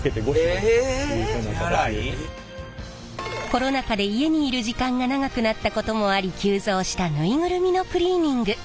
コロナ禍で家にいる時間が長くなったこともあり急増したぬいぐるみのクリーニング。